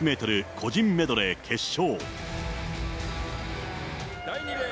個人メドレー決勝。